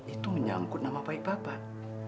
itu menyangkut nama baik bapak